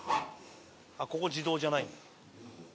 あっここ自動じゃないんだ。